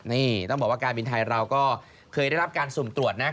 นี่ต้องบอกว่าการบินไทยเราก็เคยได้รับการสุ่มตรวจนะ